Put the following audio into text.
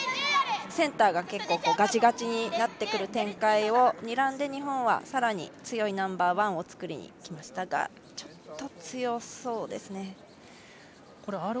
センターが結構、がちがちになってくる展開をにらんで日本はさらに強いナンバーワンを作りにいきましたがちょっと強そうですね。